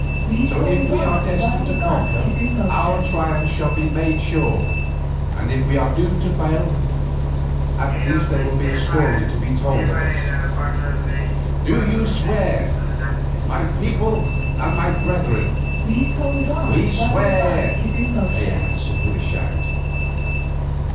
So, if we are destined to conquer, our triumph shall be made sure, and if we are doomed to fail, at least there will be a story to be told of us. Do you swear, my people and my brethren?" "We swear," they answered with a shout.